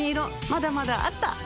まだまだあった！